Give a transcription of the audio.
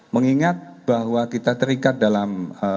mengingat bahwa kita terikat dalam